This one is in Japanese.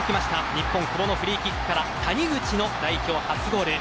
日本、久保のフリーキックから谷口の代表初ゴール。